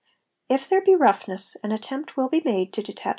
If there be roughness an attempt will be made to detach